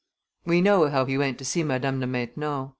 We know how he went to see Madame de Maintenon.